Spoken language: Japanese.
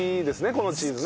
このチーズね。